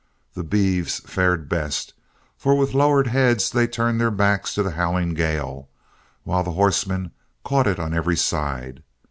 The beeves fared best, for with lowered heads they turned their backs to the howling gale, while the horsemen caught it on every side.